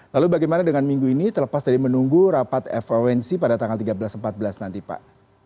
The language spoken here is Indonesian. lalu bagaimana dengan minggu ini terlepas dari menunggu rapat fonc pada tanggal tiga belas empat belas nanti pak